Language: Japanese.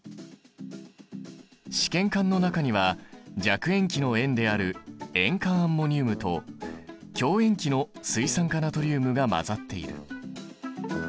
試験管の中には弱塩基の塩である塩化アンモニウムと強塩基の水酸化ナトリウムが混ざっている。